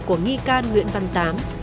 của nghi can nguyễn văn tám